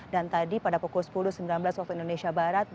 dan tadi pada pukul sepuluh sembilan belas waktu indonesia barat barack obama